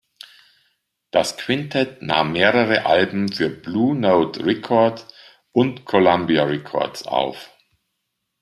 Das Quintett nahm mehrere Alben für Blue Note Records und Columbia Records auf.